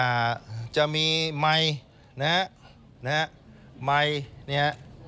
อ่าจะมีไมค์นะฮะนะฮะไมค์เนี่ย